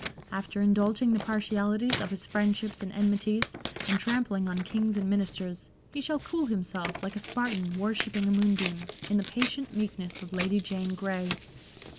After in dulging the partialities of his friendships and enmities, and trampling on kings and ministers, he shall cool himself, like a Spartan worshipping a moonbeam, in the patient meekness of Lady Jane Grey."